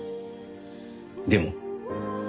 「でも」？